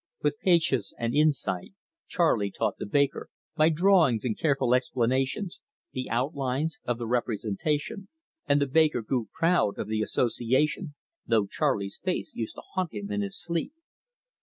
With patience and insight Charley taught the baker, by drawings and careful explanations, the outlines of the representation, and the baker grew proud of the association, though Charley's face used to haunt him in his sleep.